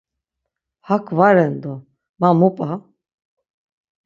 Hak var ren do ma mu p̌a?